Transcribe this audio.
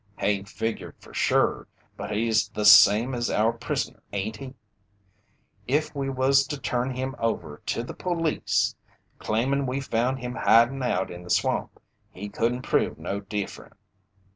"Hain't figured fer sure, but he's the same as our prisoner, ain't he? If we was to turn him over to the police, claimin' we found him hidin' out in the swamp, he couldn't prove no different."